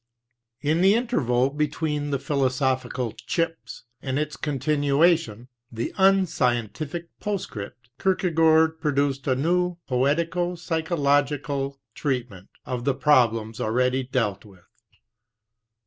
In the interval between the Philosophical Chips and its continuation, the Unscientific Postscript, Kierkegaard produced a new poetico psychological treatment of the problems already dealt with.